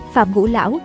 phạm ngũ lão